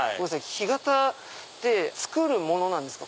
干潟って造るものなんですか？